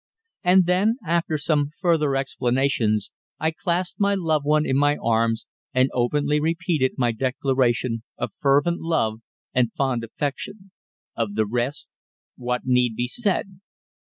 And then, after some further explanations, I clasped my loved one in my arms and openly repeated my declaration of fervent love and fond affection. Of the rest, what need be said?